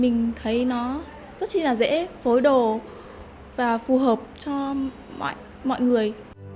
mình thấy nó rất là dễ phối đồ và phù hợp cho mọi người